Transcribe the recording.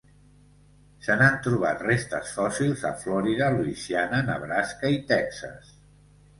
Se n'han trobat restes fòssils a Florida, Louisiana, Nebraska i Texas.